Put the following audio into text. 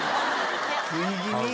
食い気味！